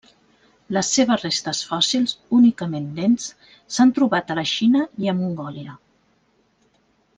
Les seves restes fòssils, únicament dents, s'han trobat a la Xina i a Mongòlia.